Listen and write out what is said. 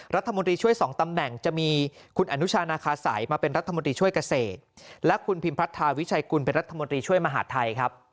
รัฐมนตรีช่วยสองตำแหน่งจะมีคุณอนุชานาคาสัยมาเป็นรัฐมนตรีช่วยเกษตรและคุณพิมพัทธาวิชัยกุลเป็นรัฐมนตรีช่วยมหาดไทยครับ